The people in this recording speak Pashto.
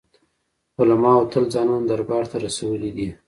علماوو تل ځانونه دربار ته رسولي دي.